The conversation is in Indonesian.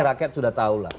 rakyat sudah tahu lah